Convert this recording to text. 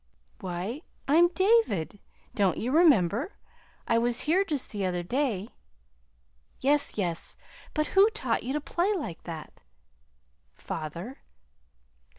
"Why, I'm David. Don't you remember? I was here just the other day!" "Yes, yes; but who taught you to play like that?" "Father."